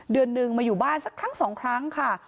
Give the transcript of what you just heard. เดือนหนึ่งมาอยู่บ้านสักครั้งสองครั้งค่ะ